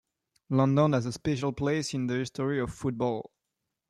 London has a special place in the history of football.